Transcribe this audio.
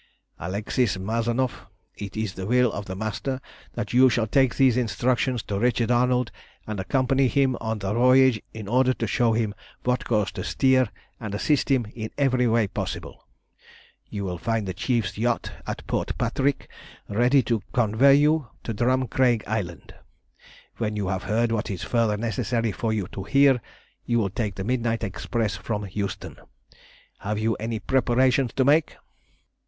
"Alexis Mazanoff, it is the will of the Master that you shall take these instructions to Richard Arnold and accompany him on the voyage in order to show him what course to steer, and assist him in every way possible. You will find the Chief's yacht at Port Patrick ready to convey you to Drumcraig Island. When you have heard what is further necessary for you to hear, you will take the midnight express from Euston. Have you any preparations to make?"